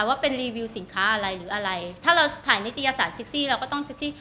ว่าเป็นรีวิวสินค้าอะไรหรืออะไรถ้าเราถ่ายนิตยสารเซ็กซี่เราก็ต้องเซ็กซี่